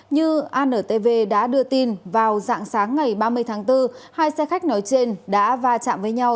như antv đã đưa tin vào dạng sáng ngày ba mươi tháng bốn hai xe khách nói trên đã va chạm với nhau